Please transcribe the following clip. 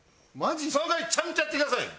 その代わりちゃんとやってくださいよ。